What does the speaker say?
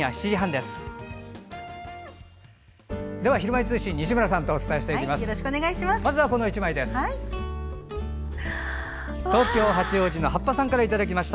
では「ひるまえ通信」西村さんとお伝えします。